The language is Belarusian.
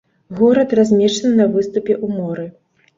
Горад размешчаны на выступе ў моры.